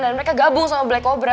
dan mereka gabung sama black cobra